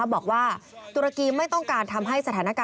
บอกว่า